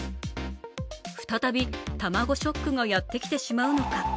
再び卵ショックがやってきてしまうのか？